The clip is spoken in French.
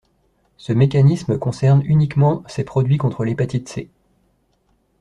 Ce mécanisme concerne uniquement ces produits contre l’hépatite C.